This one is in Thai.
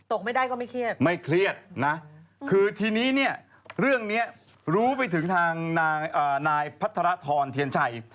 ตกไม่ได้ก็ไม่เครียดคือทีนี้เนี่ยเรื่องนี้รู้ไปถึงทางนายพัฒนาธรทรทียันชัย